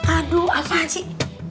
aduh apaan sih